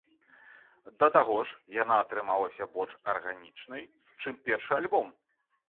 Да таго ж, яна атрымалася больш арганічнай, чым першы альбом.